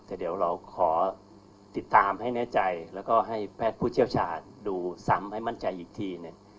แต่เดี๋ยวเราขอติดตามให้แน่ใจแล้วก็ให้แพทย์ผู้เชี่ยวชาญดูซ้ำให้มั่นใจอีกทีหนึ่ง